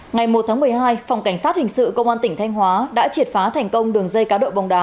ngày một tháng một mươi hai phòng cảnh sát hình sự công an tỉnh thanh hóa đã triệt phá thành công đường dây cá độ bóng đá